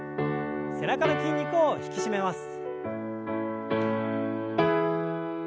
背中の筋肉を引き締めます。